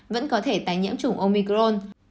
vẫn có thể tái nhiễm trùng omicron